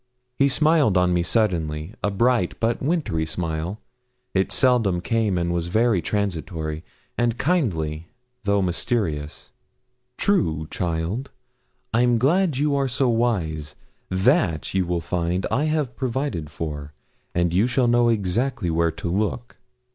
He smiled on me suddenly a bright but wintry smile it seldom came, and was very transitory, and kindly though mysterious. 'True, child; I'm glad you are so wise; that, you will find, I have provided for, and you shall know exactly where to look.